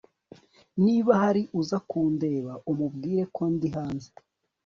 Niba hari uza kundeba umubwire ko ndi hanze